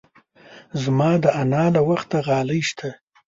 زما د انا له وخته غالۍ شته.